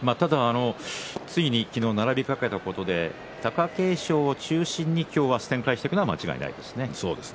ついに昨日、並んだことで貴景勝を中心に展開していくことは間違いないですね。